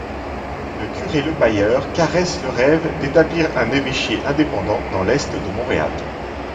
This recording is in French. Le curé LePailleur caresse le rêve d'établir un évêché indépendant dans l'est de Montréal.